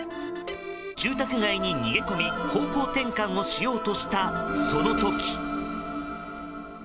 住宅街に逃げ込み方向転換をしようとしたその時。